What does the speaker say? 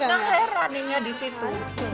gak heraninnya disitu